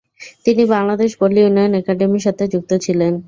তিনি বাংলাদেশ পল্লী উন্নয়ন একাডেমীর সাথে যুক্ত ছিলেন।